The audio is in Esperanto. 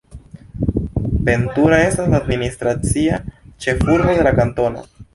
Ventura estas la administracia ĉefurbo de la kantono.